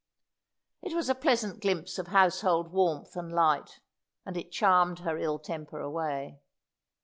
It was a pleasant glimpse of household warmth and light, and it charmed her ill temper away.